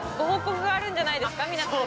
皆さんに。